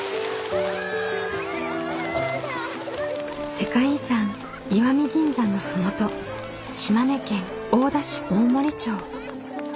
世界遺産石見銀山の麓島根県大田市大森町。